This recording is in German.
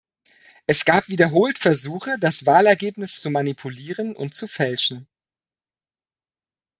Es gab wiederholt Versuche, das Wahlergebnis zu manipulieren und zu fälschen.